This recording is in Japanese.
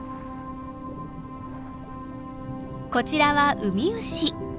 こちらはウミウシ。